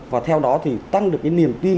và theo đó thì tăng được cái niềm tin